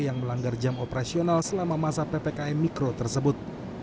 yang melanggar jam operasional selama masa ppkm mikro tersebut